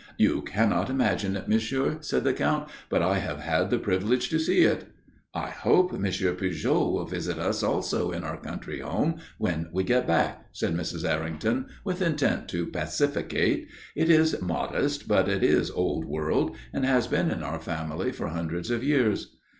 "You cannot imagine it, Monsieur," said the Count; "but I have had the privilege to see it." "I hope Monsieur Pujol will visit us also in our country home, when we get back," said Mrs. Errington with intent to pacificate. "It is modest, but it is old world and has been in our family for hundreds of years."